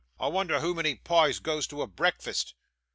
I wonder hoo many pies goes to a breakfast!